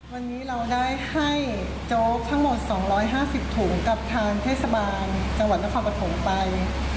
วันนี้เราได้ให้โจ๊กทั้งหมด๒๕๐ถุงกับทางเทศบาลจังหวัดนครปฐมไป